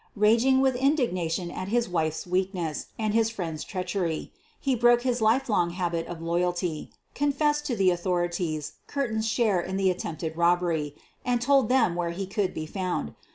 Raging with indignation at his wife's weakness and his friend's treachery, he broke his lifelong habit of loyalty, confessed to the author ities Curtin's share in the attempted robbery and told them where he could be found.